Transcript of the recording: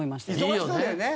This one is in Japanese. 忙しそうだよね。